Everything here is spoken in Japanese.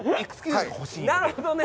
なるほどね。